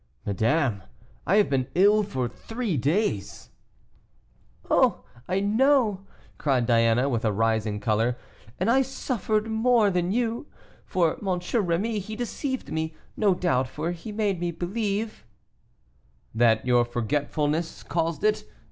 "Madame, I have been ill for three days." "Oh! I know," cried Diana, with a rising color, "and I suffered more than you, for M. Rémy, he deceived me, no doubt; for he made me believe " "That your forgetfulness caused it.